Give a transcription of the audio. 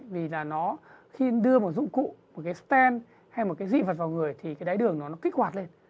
vì là nó khi đưa một dụng cụ một cái stand hay một cái dị vật vào người thì cái đái đường nó kích hoạt lên